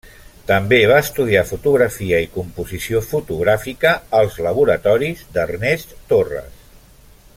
També va estudiar fotografia i composició fotogràfica als laboratoris d'Ernest Torres.